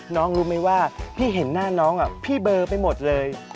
รู้ไหมว่าพี่เห็นหน้าน้องพี่เบอร์ไปหมดเลย